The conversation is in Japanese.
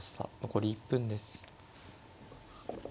残り１分です。